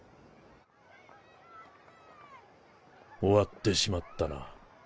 終わってしまったな。